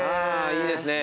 いいですね。